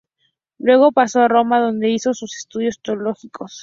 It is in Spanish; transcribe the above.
Luego pasó a Roma donde hizo sus estudios teológicos.